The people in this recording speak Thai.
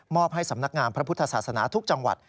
ให้สำนักงามพระพุทธศาสนาทุกจังหวัด